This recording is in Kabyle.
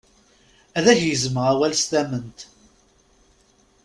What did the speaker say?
Ad ak-gezmeɣ awal s tament.